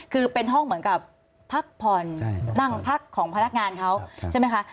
คือเป็นห้องเหมือนกับพักผ่อนนั่งพักของพนักงานเขาใช่ไหมคะ